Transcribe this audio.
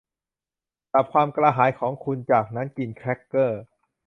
ดับความกระหายของคุณจากนั้นกินแครกเกอร์